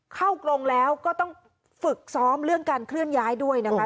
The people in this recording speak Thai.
กรงแล้วก็ต้องฝึกซ้อมเรื่องการเคลื่อนย้ายด้วยนะคะ